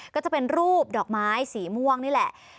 ก็จะเป็นรูปดอกไม้สีม่วงนี่แหละ